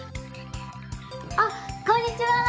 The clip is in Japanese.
あっこんにちは！